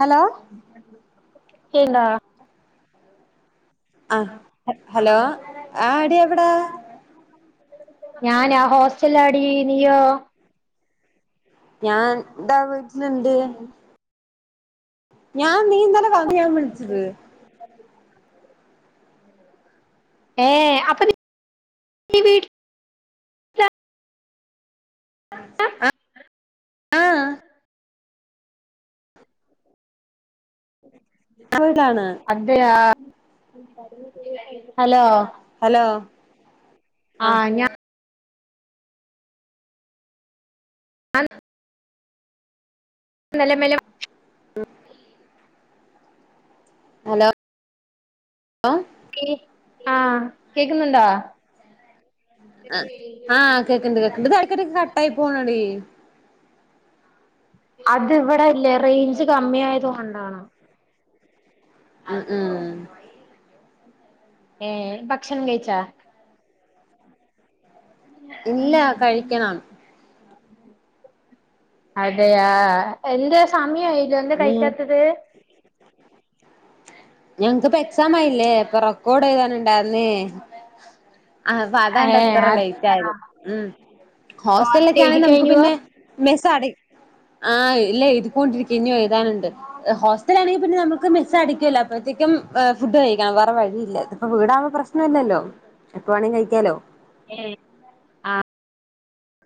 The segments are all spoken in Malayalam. ഹലോ ഇല്ല ആഹ് ഹലോ ആ എടി എവിടാ ഞാനാ ഹോസ്റ്റലിലാടി നീയോ? ഞാൻ എന്താ വീട്ടിലുണ്ട് ഞാൻ നീയിന്നലെ പറഞ്ഞാണ് വിളിച്ചത് [unintelligible] ഏ അവ [inaudible] [inaudible] [inaudible] ആഹ് ഞാൻ വീട്ടിലാണ് അതേയാ ഹലോ ഹലോ ആഹ് ഞാൻ നെലേം മെലും ആ [unintelligible] ഹലോ ആഹ് കേക്കുന്നുണ്ടോ ആഹ് കേക്കുന്നുണ്ട് കേക്കുണ്ട് ഇത് ഇടയ്ക്കിടയ്ക്ക് കട്ടായി പോണടീ അതിവിടില്ലേ റേഞ്ച് കമ്മി ആയത് കൊണ്ടാണ് അത് ഏഹ് ഭക്ഷണം കഴിച്ചോ ഇല്ല കഴിക്കണം അതെ ആഹ് എന്തേ സമയായില്ലെ എന്താ ഉം കഴിക്കാത്തത് ഞങ്ക്ക്പ്പൊ എക്സായില്ലേ അപ്പൊ റെക്കോഡെഴുതാൻ ഉണ്ടായിര്ന്ന് ആഹ് ഏ അതാണ്ടിത്ര അത് ആ ലെയ്റ്റായത് ഉം ഓ അങ്ങനെ ഹോസ്റ്റലിലൊക്കാണെ എഴുതി നമുക്ക് കഴിഞ്ഞുവോ പിന്നെ മെസ് അട ആഹ് ഇല്ല എഴ്തിക്കോണ്ടിരിക്കാ ഇഞ്ഞിയും എഴുതാനുണ്ട് ഹോസ് റ്റലാണെങ്കി പിന്നെ നമ്മക്ക് മെസടക്കൊല്ലോ അപ്പത്തേക്കും ആഹ് ഫുഡ് കഴിക്കണം വേറെ വഴിയില്ല ഇപ്പം വീടാകുമ്പം പ്രശ്നല്ലല്ലോ എപ്പ വേണെങ്കിലും കഴിക്കാലോ ഏയ്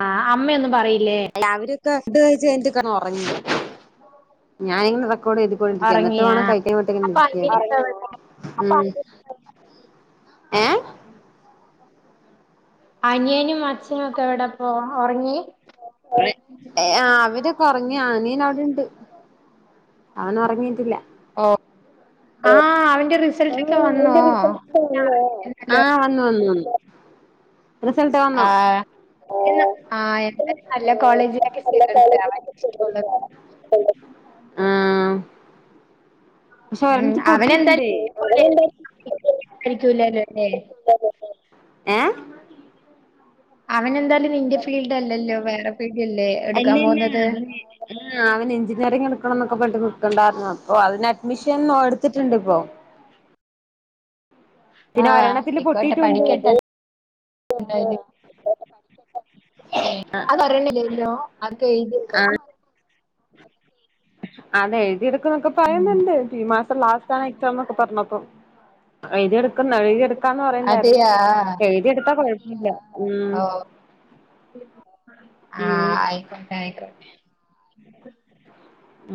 ആഹ് അമ്മയൊന്നും പറയില്ലേ രാവിലൊക്കെ ഫുഡ് കഴിച്ച്ഞ്ഞിട്ട് കെ ഒറങ്ങി ഞാൻ ഇങ്ങനെ റെക്കോഡ് എഴുതിക്കൊണ്ടിരിക്കാ ന്ന്ട്ട് ഒറങ്ങിയാ വാണം അപ്പൊ കഴിക്കാൻ അനിയനൊക്കെ എവിടെ [unintelligible] ഉം ഏഹ് അനിയനും അച്ഛനും ഒക്കെ എവടപ്പോ ഒറങ്ങി ഏഹ് അവരൊക്കെ ഒറങ്ങി അനിയൻ അവടെണ്ട് അവൻ ഒറങ്ങീട്ടില്ല ഓ ആഹ് അവന്റെ റിസൾട്ട് ഒക്കെ വന്നോ ല്ലോ ആഹ് വന്നു വന്നു റിസൾട്ട് വന്നോ ആഹ് ആഹ് എന്താലും നല്ല കോളേജിലൊക്കെ [unintelligible] ആഹ് പക്ഷെ ഉം ഒരെണ്ണത്തിന് പൊട്ടീട്ട്ണ്ടേ അവനെന്തായാലും ആയിരിക്കൂലല്ലോ അല്ലേ ഏഹ് അവനെന്തായാലും നിന്റെ ഫീൽഡല്ലല്ലോ വേറെ ഫീൽഡല്ലേ എടുക്കാൻ അല്ലല്ല പോന്നത് അവന് ആഹ് അവൻ എഞ്ചിനീയറിങ് എടുക്കണം ന്നൊക്കെ പറഞ്ഞ്ട്ട് നിക്ക്ണ്ടാർന്നു അപ്പൊ അതിന് അഡ്മിഷൻ എടുത്തിട്ട്ണ്ട് പ്പൊ പിന്നെ ആഹ് ഒരെണ്ണത്തില് അയ്ക്കോട്ടെ പൊട്ടിയിട്ടുണ്ട് പഠിക്കട്ടെ ന്തായാലും അതറിയണില്ലല്ലോ അതൊക്കെ എഴുതി [unintelligible] അതെഴുതിട്ക്കും ന്നൊക്കെ ഉം പറയ്ന്ന്ണ്ട് ഈ മാസം ലാസ്റ്റാണ് എക്സാം ന്നൊക്കെ പർഞ്ഞപ്പൊ എഴുതിട്ക്കും എഴുതിട്ക്കാന്ന് പറയ്ണ്ടാര്ന്നു അതെയാ എഴുതിട്ത്താ കൊഴപ്പല്ല ഓഹ് ഉം ആയി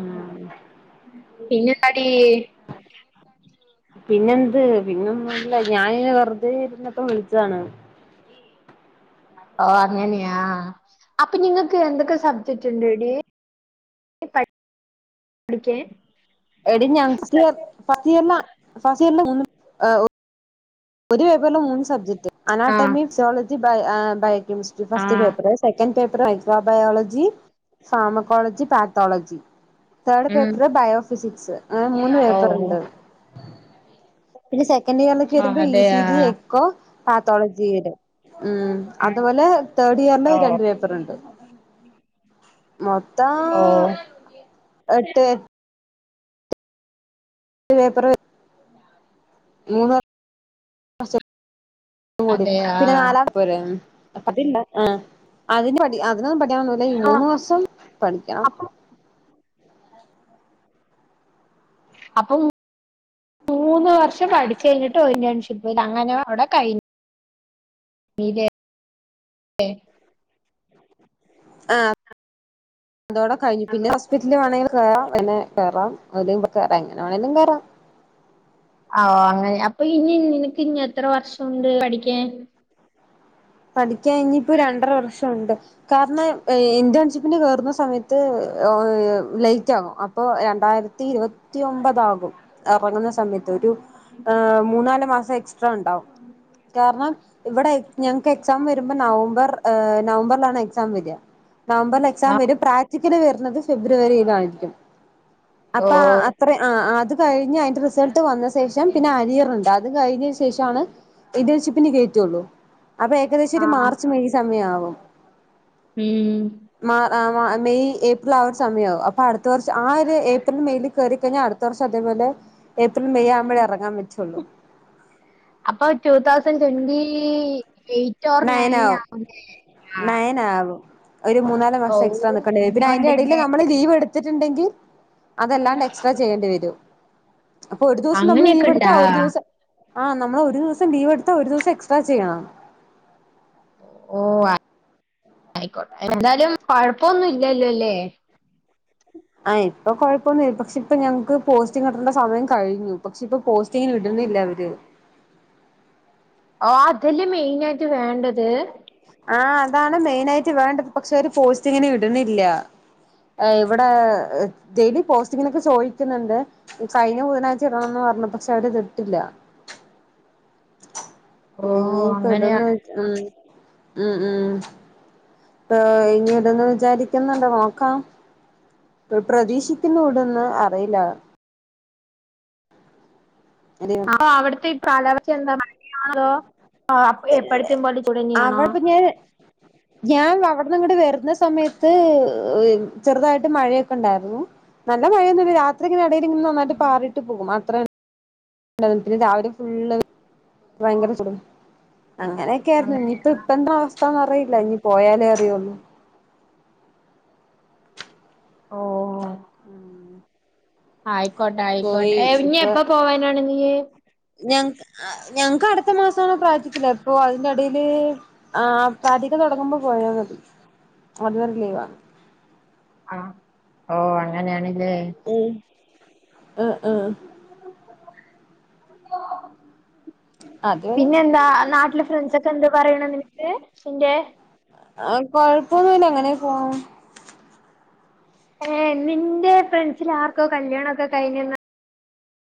ഉം പിന്നെന്താടി [inaudible] പിന്നെന്ത് പിന്നൊന്നുല്ല ഞാനിങ്ങനെ വെർതേ ഇരുന്നപ്പം വിളിച്ചതാണ് ഓഹ് അങ്ങനെയാ അപ്പ നിങ്ങക്ക് എന്തൊക്കെ സബ്ജക്ട് ണ്ടെടി [unintelligible] എടി ഞങ്ക്ക് ഫസ്റ്റ് [unintelligible] ഒരു പേപ്പറില് മൂന്ന് സബജക്ട് ആഹ് അനാട്ടമി, സുയോളജി, ബയോ ആഹ് ബയ് കെമിസ്ട്രി ഫസ്റ്റ് ആഹ് പേപ്പറ് സെക്കന്റ്‌ പേപ്പറ് അയ് [unintelligible] മബയോളജി, സാമക്കോളജി, പാത്തോളജി തേഡ് ഉം പേപ്പറ് ബയോഫിസിക്സ് അങ്ങനെ മൂന്ന് ഓ പേപ്പറ്ണ്ട് പിന്നെ സെക്കൻഡിയറിലേക്ക് ആ, വെരുമ്പോ ഇ സി അതെയാ ജി എക്കോ പാത്തോളജി വെരും ഉം അതുപോലെ തേഡിയറില് ഓ രണ്ട് പേപ്പറ്ണ്ട് മൊത്തം ഓഹ് എട്ട് ട്ട് പേപ്പറ് മൂന്ന് മാസം കൂടിം അതെയാ പിന്നെ നാലാ പോരെ അപ്പൊ പിന്നെ ആഹ് അതിന് പഠി അതിനൊന്നും പഠിക്കാൻ ഒന്നുല്ല ഈ ആഹ് മൂന്ന് മാസം പഠിക്കണം അപ്പൊ അപ്പം മൂന്ന് വർഷം പഠിച്ചു കഴിഞ്ഞിട്ട് ഇന്റേൺഷിപ്പ് അങ്ങനെ അവിടെ കഴിഞ്ഞ് മീത [unintelligible] ഏ ആഹ് അതോടെ കഴിഞ്ഞു പിന്നെ ഹസ്ബ- ന്റിന് വേണേ കേറാം പിന്നെ കേറാം അല്ലെ കേറാം എങ്ങനെ വേണെങ്കിലും കേറാം ആഹ് ഓഹ് അങ്ങനെ അപ്പൊ ഇനി നിനക്ക് ഇഞ്ഞ് എത്ര വർഷം ഉണ്ട് പഠിക്കാൻ പഠിക്കാൻ ഇനി ഇപ്പോ രണ്ടര വർഷം ഉണ്ട് കാരണം ഇന്റേൺഷിപ്പിന് കേറുന്ന സമയത്ത് ഓഹ് ലൈ- റ്റാകും അപ്പൊ രണ്ടായിരത്തി ഇരുപത്തിയൊമ്പതാകും ഇറങ്ങുന്ന സമയത്ത് ഒരു ആഹ് മൂന്നാല് മാസം എക്സ്ട്രാ ഉണ്ടാവും കാരണം ഇവിടെ ഞ - ങ്ങക്ക് എക്സാം വരുമ്പോ നവംബർ നവംബറിലാണ് എക്സാം വര നവംബറിൽ എക്സാം ആ, വരും പ്രാക്ടിക്കല് വരുന്നത് ഫെബ്രുവരിയില് ആയിരിക്കും ഓ അപ്പൊ അത്ര- ആഹ് അത് കഴിഞ്ഞ് അതിന്റെ റിസൾട്ട് വന്ന ശേഷം പിന്നെ അനിയർ ഉണ്ട് അത് കഴിഞ്ഞ ശേഷമാണ് ഇന്റേൺഷിപ്പിന് കേറ്റുള്ളൂ അപ്പൊ ഏകദേശം ഒരു ആഹ് മാർച്ച് മെയ് സമയാവും ഉം മാ ആഹ് മെയ് ഏ- പ്രിൽ ആഹ് ഒരു സമയമാവും അപ്പൊ അടുത്ത വർഷം ആഹ ഒരു ഏപ്രിൽ മെയിൽ കയറി കഴിഞ്ഞാൽ അടുത്ത വർഷം അതേപോലെ ഏപ്രിൽ മേയ് ആകുമ്പഴേ ഇറങ്ങാൻ പറ്റുള്ളൂ അപ്പൊ two thousand twenty eight or nine ആവുലേ നയൻ ആവും ഒരു മൂന്നാല് മാസം എക്സ്ട്രാ നിക്കണ്ടിവരും. പിന്നെ അതിന്റെ ഇടയിൽ നമ്മള് ലീവ് എടുത്തിട്ടുണ്ടെങ്കിൽ അതല്ലാണ്ട് എക്സ്ട്രാ ചെയ്യേണ്ടി വരും. അപ്പൊ ഒരു ദിവസം നമ്മള് അങ്ങനെയൊക്കെ ലീവെടുത്താ ഇണ്ടാ ഒരു ദിവസം ആഹ് നമ്മൾ ഒരു ദിവസം ലീവെടുത്ത ഒരു ദിവസം എക്സ്ട്രാ ചെയ്യണം ഓഹ് ആയിക്കോട്ടെ എന്തായാലും കൊഴപ്പൊന്നും ഇല്ലല്ലോ ല്ലേ ആഹ് ഇപ്പൊ കൊഴപ്പൊന്നില്ല പക്ഷെ ഇപ്പൊ ഞങ്ങക്ക് പോസ്റ്റിംഗ് കിട്ടേണ്ട സമയം കഴിഞ്ഞു പക്ഷെ ഇപ്പൊ പോസ്റ്റിങ്ന് ഇടുന്നില്ല അവര് ഓഹ് അതല്ലേ മെയിൻ ആയിട്ട് വേണ്ടത് ആഹ് അതാണ് മെയിനായിട്ട് വേണ്ടത്. പക്ഷെ ഓര് പോസ്റ്റിംഗിന് ഇടുന്നില്ല അഹ് ഇവിടെ ഡെയിലി പോസ്റ്റിങ്ങിനൊക്കെ ചോദിക്കുന്നുണ്ട് കഴിഞ്ഞ ബുധനാഴ്ച ഇടണംന്ന് പറഞ്ഞു പക്ഷെ അവര് അതിട്ടില്ല ഓ എനി ഇപ്പൊ ഇടുംന്ന് അങ്ങനെയാണ് ഉം ഉം ഉം. ആഹ്ഇനി ഇടുംന്ന് വിചാരിക്കുന്നുണ്ട്. നോക്കാം പ്രതീക്ഷിക്കുന്നു ഇടുംന്ന് അറിയില്ല അപ്പ അവിടുത്തെ ഈ കാലാവസ്ഥ എന്താ മഴയാണോ അതോ എപ്പഴത്തേ പോലെ ചൂടെന്നെയാണോ അവിടെപ്പ ഞാൻ ഞാൻ അവിടന്ന്ങ്ങട്ട് വരുന്ന സമയത്ത് ചെറുതായിട്ട് മഴയൊക്കെ ഉണ്ടായിരുന്നു നല്ല മഴയൊനുല്ല രാത്രിങ്ങനെ ഇടയിൽ ഇങ്ങനെ നന്നായിട്ട് പാറിയിട്ട് പോകും അത്രത- ന്നെ പിന്നെ രാവിലെ ഫുള്ള് ഭയങ്കര ചൂടും അങ്ങനെയൊക്കെയായിരുന്നു ഇനിയിപ്പോ അങ്ങനെയാ ഇപ്പ എന്താ അവസ്ഥന്ന് അറിയില്ല ഇനി പോയാലേ അറിയുള്ളു ഓഹ് മ് ആയിക്കോട്ടെ ആയിക്കോട്ടെ ഇനി എപ്പ പോവാനാണ് നീയ് ഞങ്ങ ഞങ്ങക്ക് അടുത്ത മാസാണ് പ്രാക്റ്റിക്കല് ഇപ്പൊ അതിന്റെടയില് ആഹ് പ്രാക്റ്റിക്കൽ തുടങ്ങുമ്പോ പോയ മതി അതുവരെ ലീവാണ്. ആഹ് ഓഹ് അങ്ങനെയാണ്ല്ലേ ഉം അ ആഹ് അത് പിന്നെന്താ നാട്ടിലെ ഫ്രണ്ട്സ്‌ ഒക്കെ എന്ത് പറയ്ണ് നിനക്ക് നിന്റെ ആഹ് കൊഴപ്പൊന്നുല്ല അങ്ങനേ പോണ് ഏഹ് നിന്റെ ഫ്രണ്ട്സ്‌ല് ആർക്കോ കല്യാണൊക്കെ കഴിഞ്ഞ്ന്ന്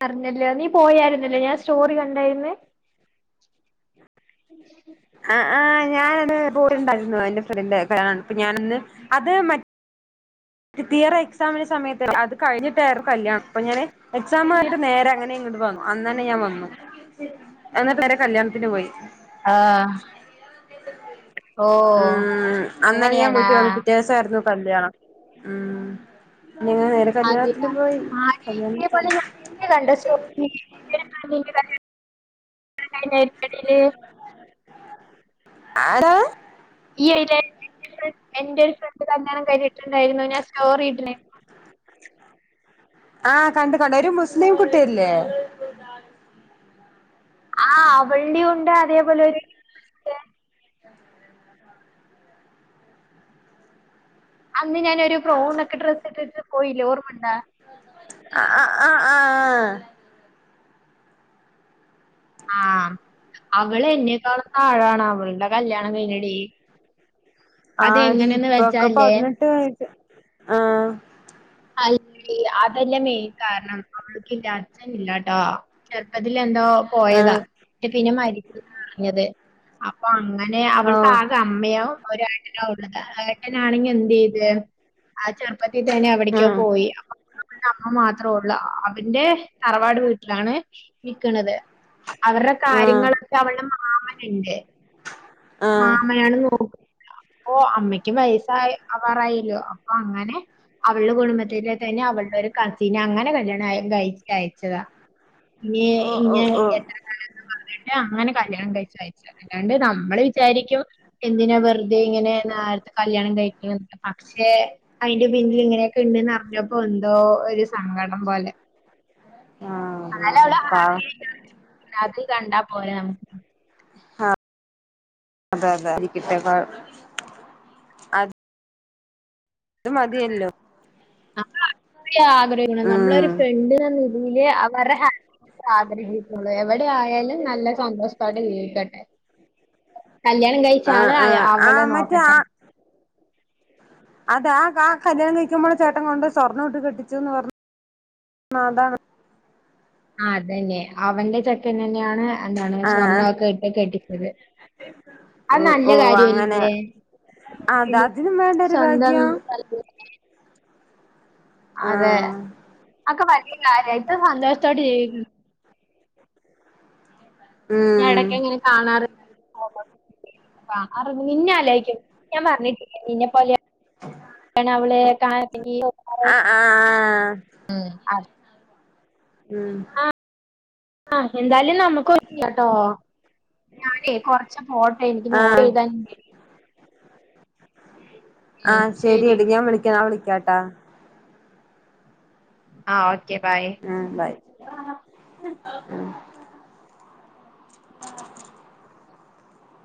അറിഞ്ഞില്ലേ നീ പോയായിരുന്നല്ലോ ഞാൻ സ്റ്റോറി കണ്ടായിരുന്ന് [unintelligible] ആഹ് ആഹ് ഞാനത് പോയിണ്ടായിരുന്നു എന്റെ ഫ്രണ്ട് ഇപ്പ ഞാൻ ഇന്ന് അത്‌ തിയറി എക്സാമിന്റെ സമയത്ത് അതുകഴിഞ്ഞട്ടായിരുന്നു കല്യാണം, അപ്പോ ഞാൻ എക്സാമ് കഴിഞ്ഞിട്ടു നേരെ അങ്ങനെ ഇങ്ങട്ട് വന്നു അന്നന്നെ ഞാൻ വന്നു എന്നിട്ട് നേരെ കല്യാണത്തിനു പോയി ആഹ് ഓഹ് അങ്ങനെയാണാ വച്ചായിരുന്നു കല്യാണം ഉം അങ്ങനെ നേരെ അതെ കല്യാണത്തിന് പോയി ആടി കല്യാണത്തിനു ഇതേപോലെ പോയിട്ട് [inaudible] ആരാ ഈയിടെ എന്റെ ഒരു ഫ്രണ്ട് കല്യാണം കഴിഞ്ഞിട്ടുണ്ടായിരുന്നു ഞാൻ സ്റ്റോറിയിട്ടെ ആഹ് കണ്ടു കണ്ടു ഒരു മുസ്ലിം കുട്ടിയല്ലേ ആഹ് അവള്ന്റേം ഇണ്ട് അതേപോലെ ഒരു അന്ന് ഞാനൊരു ബ്രൗണൊക്കെ ഡ്രസ്സിട്ടിട്ടു പോയില്ലേ ഓർമ്മണ്ടാ ആഹ് ആഹ് ആഹ് ആഹ് ആഹ് അവളെന്നെക്കാളും താഴാണ് അവൾടെ കല്യാണം കഴിഞ്ഞെടി ആടി അതെങ്ങനെന്ന് ഇപ്പ ഒക്ക വെച്ചാല്ലേ പതിനെട്ടു വയസ്സ് ആഹ് ഇല്ല അതല്ല മെയിൻ കാരണം അവൾക്കില്ലേ അച്ഛനില്ലാട്ടോ ചെറുപ്പത്തിലെന്തോ പോയതാ ആഹ് പിന്നെ മരിച്ചെന്നാ അറിഞ്ഞത് അപ്പൊ അങ്ങനെ ആഹ് അവൾക്കാകെ അമ്മയോ ഒരേട്ടനാ ഉള്ളത് ആ ഏട്ടനാണെങ്കിലെന്തു ചെയ്ത് ആ ചെറുപ്പത്തിൽ തന്നെ എവിട്ക്കോ ആഹ് പോയി അപ്പൊ അവളുടെ അമ്മ മാത്ര ഉള്ളൂ അവന്റെ തറവാട് വീട്ടിലാണ് നിക്ക്ണത് അവരുടെ ആഹ് കാര്യങ്ങളൊക്കെ അവളുടെ മാമനുണ്ട് ആഹ് മാമനാണ് നോക്കുക ഇപ്പോ അമ്മയ്ക്കും വയസായി ആവാറയല്ലോ അപ്പൊ അങ്ങനെ അവളുടെ കുടുംബത്തിന്റെ പിന്നെയവളുടെ ഒരു കസീനെ അങ്ങനെ കല്യാണം കഴി കഴിച്ചതാ ഓ ഓ ഇനിയിങ്ങനെ ഓ എത്ര നാളെന്നും പറഞ്ഞിട്ട് അങ്ങനെ കല്യാണം കഴിച്ചയച്ച് അല്ലാണ്ട് നമ്മള് വിചാരിക്കും എന്തിനാ വെറുതെ ഇങ്ങനെ നേരത്തെ കല്യാണം കഴിക്കണത് പക്ഷേ അയിന്റെ പിന്നിലിങ്ങനെയൊക്കെ ഇണ്ട്ന്ന് അറിഞ്ഞപ്പോ ഇപ്പം എന്തോ ഒരു സങ്കടം പോലെ ആഹ് അതെ അതെ പാവം അതുകണ്ടാ പോരേ നമുക്ക് ആഹ് അതെ അതെ [inaudible] അതു മതിയല്ലോ നമ്മൾക്കൊരാഗ്രഹമില്ല ഉം നമ്മളൊരു ഫ്രണ്ടിനെനി ഇല്ലേ അവരെ ഹാപ്പിനെസ് ആഗ്രഹി ഉം എവിടെ ആയായാലും നല്ല സന്തോഷത്തോടെ ജീവിക്കട്ടെ കല്യാണം ആഹ് കഴിച്ചയാള് ആഹ് അവളെ ആഹ് മറ്റേ നോക്കട്ടെ അതെ ആഹ് ആഹ് കല്യാണം കഴിക്കുമ്പോൾ ചേട്ടൻ കൊണ്ടെ സ്വർണ്ണമിട്ട് കെട്ടിച്ചെന്നു പറഞ്ഞു അതാണ് ആഹ് അതന്നെ അവന്റെ ചെക്കൻ തന്നെയാണ് എന്താണ് ആഹ് സ്വർണ്ണമൊക്കെയിട്ട് കെട്ടിച്ചത് ഓ അതു നല്ല ഓ അങ്ങനെ കാര്യല്ലേ അത അതിനും വേണ്ട ഒരു സ്വന്തം ഭാഗ്യം കല്യാ അതെ ആഹ് അതൊക്കെ വലിയ കാര്യ സന്തോഷത്തോടെ ജീവിക്കുന്നു ഉം ഇടക്കിങ്ങനെ കാണാറുണ്ട് പോകുമ്പോം അപ്പ, ആറു.. പിന്നെ ആലോചിക്കും ഞാൻ പറഞ്ഞിട്ടില്ലേ നിന്നെ പോലെയാ ആഹ് ആഹ് [unintelligible] ഉം ആഹ്, ആ എന്തായാലും നമുക്കുമുണ്ടല്ലോ ഓ ഞാനേ കൊറച്ചുപോട്ടെ ആഹ് എനിക്കുനോട്ടെഴുതാനുണ്ട് ആഹ് ശരി ശരിയെടീ ഞാൻവിളിക്കാം നാളെ വിളിക്കാട്ടോ ആഹ് ഓക്കെ ബായ് ആ ബൈ ആ